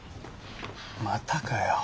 またかよ。